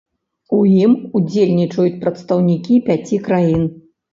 У ім удзельнічаюць прадстаўнікі пяці краін.